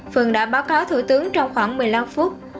phường đã báo cáo thủ tướng trong khoảng một mươi năm phút